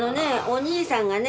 お兄さんがね